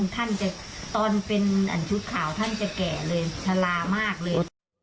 ท่านจะตอนเป็นชุดข่าวท่านจะแก่เลยชะลามากเลย